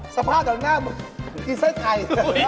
สะพาดออกหน้ามึงกินไส้ไทย